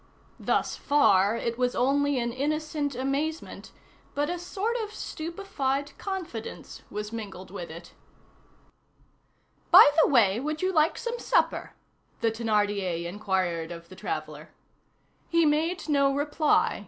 Thus far it was only an innocent amazement, but a sort of stupefied confidence was mingled with it. "By the way, would you like some supper?" the Thénardier inquired of the traveller. He made no reply.